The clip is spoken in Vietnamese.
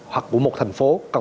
hoặc của một thành phố